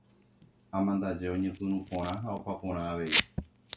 Amandaje oñepyrũ porã ha opa porã avei.